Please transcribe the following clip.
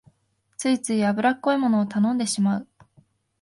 ついつい油っこいものを頼んでしまう